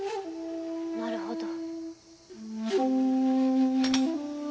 なるほど。